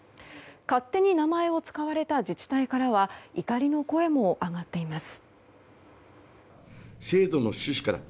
勝手に名前を使われた自治体からは怒りの声も上がっています。